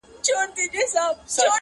طوطي والوتی یوې او بلي خواته!!